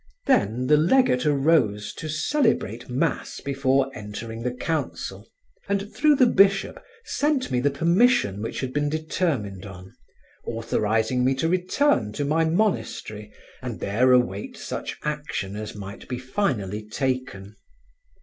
Then the legate arose to celebrate mass before entering the council, and through the bishop sent me the permission which had been determined on, authorizing me to return to my monastery and there await such action as might be finally taken.